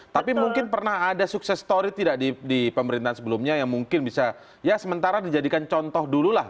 tapi mungkin pernah ada sukses story tidak di pemerintahan sebelumnya yang mungkin bisa ya sementara dijadikan contoh dulu lah